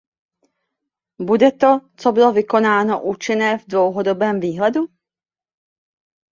Bude to, co bylo vykonáno, účinné v dlouhodobém výhledu?